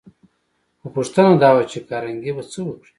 خو پوښتنه دا وه چې کارنګي به څه وکړي